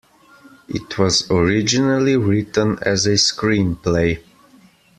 It was originally written as a screenplay.